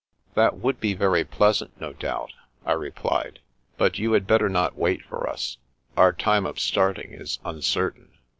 That would be very pleasant, no doubt," I re plied ;" but you had better not wait for us. Our time of starting is uncertain."